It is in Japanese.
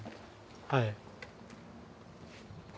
はい。